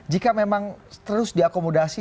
jika memang terus diakomodasi